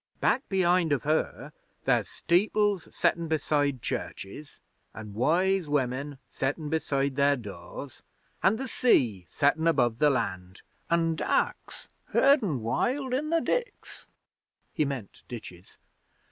Back behind of her there's steeples settin' beside churches, an' wise women settin' beside their doors, an' the sea settin' above the land, an' ducks herdin' wild in the diks' (he meant ditches).